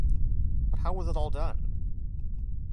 But how was it all done?